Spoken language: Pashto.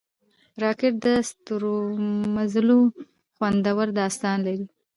راکټ د ستورمزلو خوندور داستان لري